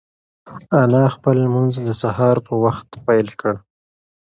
انا خپل لمونځ د سهار په وخت پیل کړ.